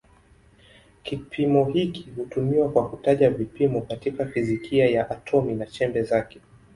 Kipimo hiki hutumiwa kwa kutaja vipimo katika fizikia ya atomi na chembe zake.